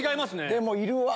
でもいるわ。